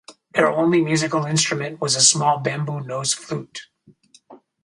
Their only musical instrument was a small bamboo nose flute.